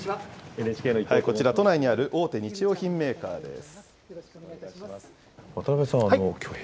こちら、都内にある大手日用品メーカーです。